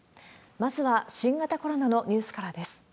まずは新型コロナのニュースからです。